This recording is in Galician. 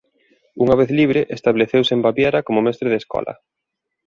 Unha vez libre estableceuse en Baviera como mestre de escola.